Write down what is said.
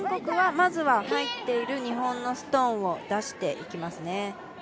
まずは入っている日本のストーンを出していきますね。